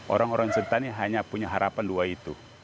orang orang sentani hanya punya harapan dua itu